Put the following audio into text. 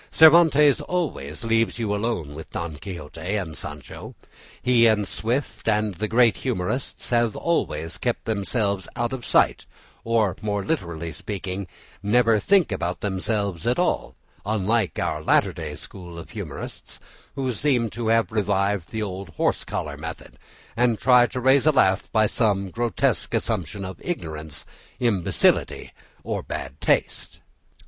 Cervantes always leaves you alone with Don Quixote and Sancho. He and Swift and the great humourists always keep themselves out of sight, or, more properly speaking, never think about themselves at all, unlike our latter day school of humourists, who seem to have revived the old horse collar method, and try to raise a laugh by some grotesque assumption of ignorance, imbecility, or bad taste.